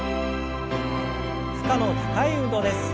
負荷の高い運動です。